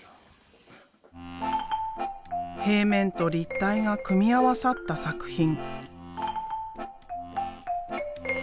平面と立体が組み合わさった作品。